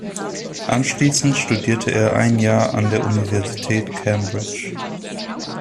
Anschließend studierte er ein Jahr an der Universität Cambridge.